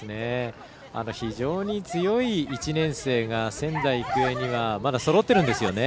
非常に強い１年生が仙台育英にはまだそろってるんですよね。